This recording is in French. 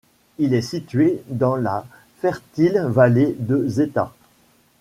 Il est situé dans la fertile vallée de Zeta.